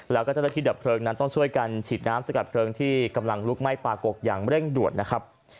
แล้วก็เจ้าหน้าที่ดับเพลิงนั้นต้องช่วยกันฉีดน้ำสกัดเพลิงที่กำลังลุกไหม้ปากกกอย่างเร่งด่วนนะครับ